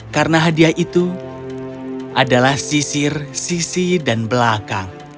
karena hadiah itu adalah sisir sisi dan belakang